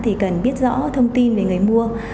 thì cần biết rõ thông tin về người mua